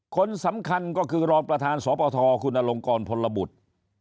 คนสำคัญก็คือรองประธานสปทคุณอลงกรพลบุตร